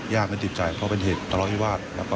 ย่ามันติดใจเพราะเป็นเหตุตลกไอวาก